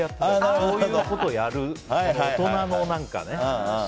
こういうことをやる大人の何かね。